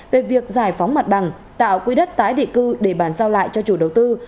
về việc giải phóng mặt bằng tạo quỹ đất tái định cư để bàn giao lại cho chủ đầu tư